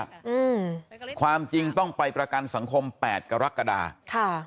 อืมความจริงต้องไปประกันสังคมแปดกรกฎาค่ะ